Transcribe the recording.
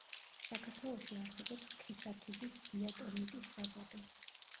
საქართველოში არსებობს ქისათიბის დიატომიტის საბადო.